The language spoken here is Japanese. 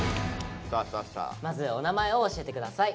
まずお名前を教えてください。